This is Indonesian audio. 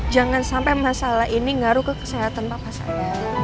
jangan sampai masalah ini ngaruh ke kesehatan papa saya